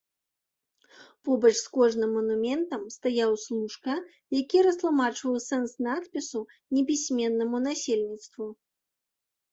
Побач з кожным манументам стаяў служка, які растлумачваў сэнс надпісу непісьменнаму насельніцтву.